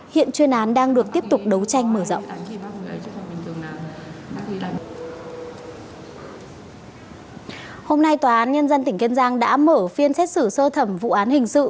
hiện chuyên án đang được tiếp tục đấu tranh mở rộng